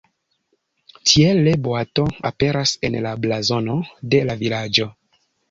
Tiele boato aperas en la blazono de la vilaĝo.